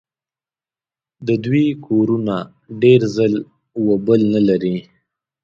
د دوی کورونه ډېر ځل و بل نه لري.